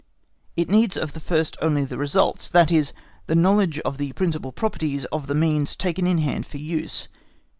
It needs of the first only the results, that is, the knowledge of the principal properties of the means taken in hand for use.